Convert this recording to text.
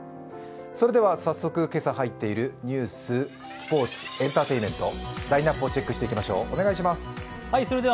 それでは早速、今朝入っているニュース、スポーツ、エンターテインメント、ラインナップをチェックしていきましょう。